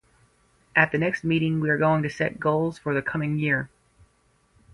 At the next meeting we are going to set goals for the coming year.